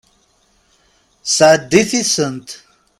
Sɛeddi tisent.